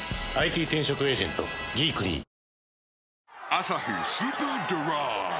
「アサヒスーパードライ」